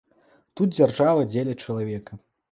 Тут дзяржава дзеля чалавека.